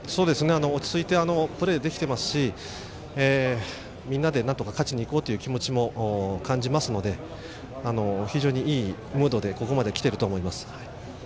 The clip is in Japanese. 落ち着いてプレーできていますしみんなで、なんとか勝ちにいこうという気持ちも感じますので非常にいいムードでここまできていると思います。